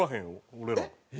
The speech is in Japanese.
俺ら。